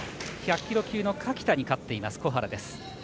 １００キロ級の垣田に勝っています、小原です。